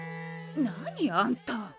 何あんた。